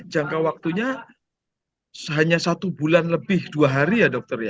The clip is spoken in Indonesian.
jangka waktunya hanya satu bulan lebih dua hari ya dokter ya